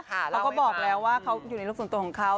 เขาก็บอกแล้วว่าเขาอยู่ในโลกส่วนตัวของเขา